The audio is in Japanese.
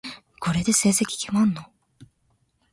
これで成績決まるの？